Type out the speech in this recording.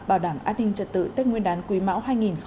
bảo đảm an ninh trật tự tết nguyên đán quý mão